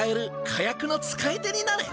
火薬の使い手になれ！